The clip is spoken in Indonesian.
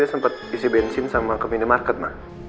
dia sempet isi bensin sama ke minimarket ma